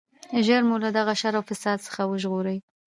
ژر مو له دغه شر او فساد څخه وژغورئ.